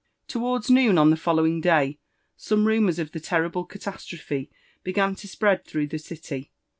Towards noon en the following day, seme rnmours of die tertlbia catastrophe began to spread through the city.